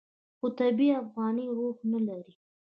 خو طبیعي افغاني روح نه لري.